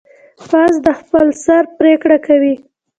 باز د خپل سر پریکړه کوي